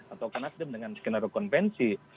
atau ke nasdem dengan skenario konvensi